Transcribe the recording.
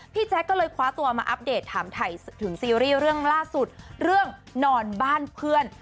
แจ๊คก็เลยคว้าตัวมาอัปเดตถามถ่ายถึงซีรีส์เรื่องล่าสุดเรื่องนอนบ้านเพื่อน